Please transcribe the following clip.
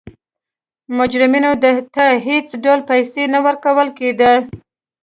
مجرمینو ته هېڅ ډول پیسې نه ورکول کېده.